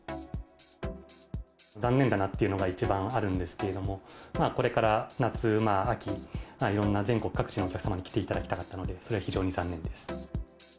残念だなっていうのが一番あるんですけれども、これから夏、秋、いろんな全国各地のお客様に来ていただきたかったので、それは非常に残念です。